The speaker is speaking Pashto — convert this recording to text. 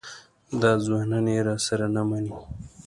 دا ځوانان یې راسره نه مني.